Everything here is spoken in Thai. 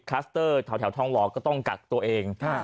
สเตอร์แถวทองหล่อก็ต้องกักตัวเอง